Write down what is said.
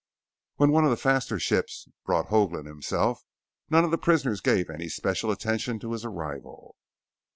When one of the faster ships brought Hoagland himself, none of the prisoners gave any special attention to his arrival.